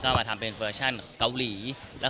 คุณต้มถามักว่าเพียงทศตรีหวัล